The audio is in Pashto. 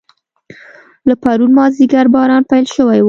له پرون مازیګر باران پیل شوی و.